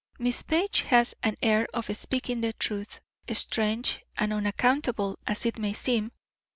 Miss Page has an air of speaking the truth, strange and unaccountable as it may seem.